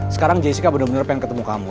sekarang jessica bener bener pengen ketemu kamu